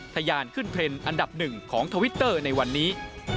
ทยานขึ้นเทรนด์อันดับหนึ่งของทวิตเตอร์ในวันนี้